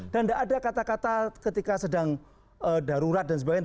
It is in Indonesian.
tidak ada kata kata ketika sedang darurat dan sebagainya